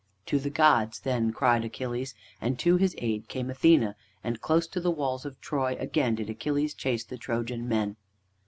To the gods then cried Achilles, and to his aid came Athene, and close to the walls of Troy again did Achilles chase the Trojan men.